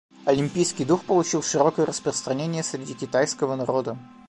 Олимпийский дух получил широкое распространение среди китайского народа.